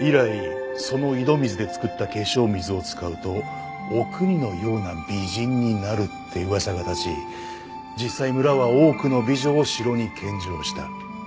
以来その井戸水で作った化粧水を使うとおくにのような美人になるって噂が立ち実際村は多くの美女を城に献上した。